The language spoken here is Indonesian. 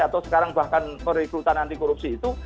atau sekarang bahkan perekrutan anti korupsi itu